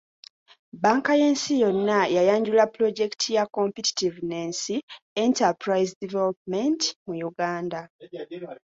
Bbanka y’ensi yonna yayanjula pulojekiti ya Competitiveness Enterprise Development mu Uganda.